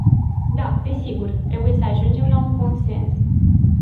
Da, desigur, trebuie să ajungem la un consens.